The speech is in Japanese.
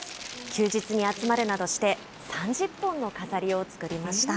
休日に集まるなどして、３０本の飾りを作りました。